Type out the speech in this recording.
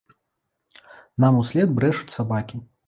Нам услед брэшуць сабакі.